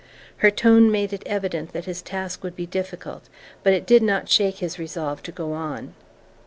Her tone made it evident that his task would be difficult, but it did not shake his resolve to go on.